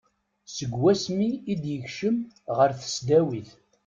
Seg wasmi i d-yekcem ɣer tesdawit.